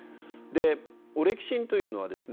オレキシンというのはですね